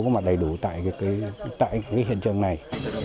không phải đầy đủ tại cái hiện trường này